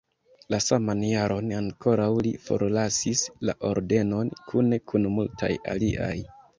La saman jaron ankoraŭ li forlasis la ordenon kune kun multaj aliaj.